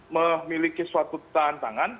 memiliki suatu tantangan